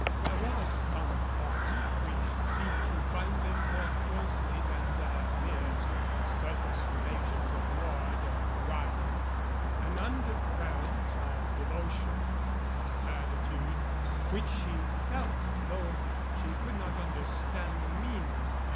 There was some bond which seemed to bind them more closely than their mere surface relations of ward and guardian an undercurrent of devotion and servitude which she felt, though she could not understand the meaning.